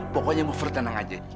pokoknya maaf tenang aja